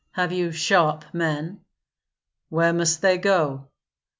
Have you sharp men?" "Where must they go?"